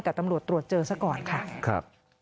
กับตำรวจตรวจเจอซะก่อนค่ะ